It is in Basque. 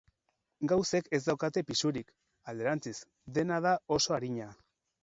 Gauzek ez daukate pisurik, alderantziz, dena da oso arina.